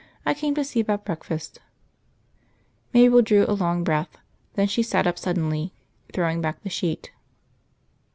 I came to see about breakfast." Mabel drew a long breath. Then she sat up suddenly, throwing back the sheet.